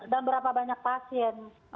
dan berapa banyak pasien